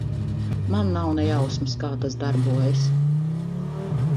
Man nav ne jausmas, kā tas darbojas.